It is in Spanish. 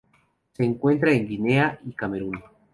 Se encuentra en Guinea y Camerún.